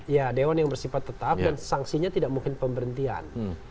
ya dewan yang bersifat tetap dan sanksinya tidak mungkin pemberhentian